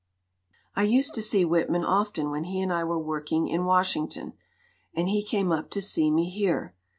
"I used to see Whitman often when he and I were working in Washington. And he came up to see me here.